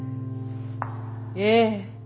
ええ。